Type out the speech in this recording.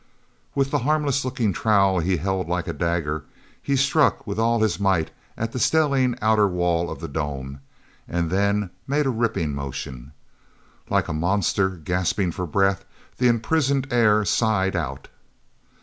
With the harmless looking trowel held like a dagger, he struck with all his might at the stellene outer wall of the dome, and then made a ripping motion. Like a monster gasping for breath, the imprisoned air sighed out.